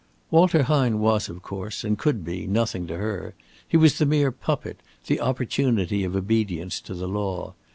Walter Hine was, of course, and could be, nothing to her. He was the mere puppet, the opportunity of obedience to the law.